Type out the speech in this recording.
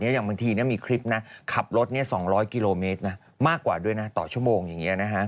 อย่างบางทีมีคลิปนะขับรถ๒๐๐กิโลเมตรมากกว่าด้วยนะต่อชั่วโมงอย่างนี้